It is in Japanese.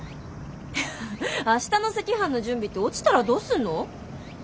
明日の赤飯の準備って落ちたらどうすんの？